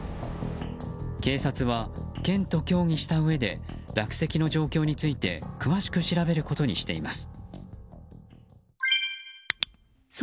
警察は県と協議したうえで落石の状況について詳しく調べることにしています。